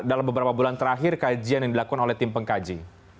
dalam beberapa bulan terakhir kajian yang dilakukan oleh tim pengkaji